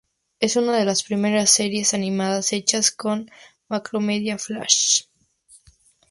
Es una de las primeras series animadas hechas con Macromedia Flash.